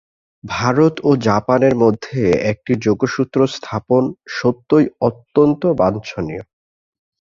ভারত ও জাপানের মধ্যে একটি যোগসূত্র-স্থাপন সত্যই অত্যন্ত বাঞ্ছনীয়।